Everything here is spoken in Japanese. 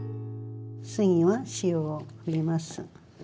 次は塩を入れます。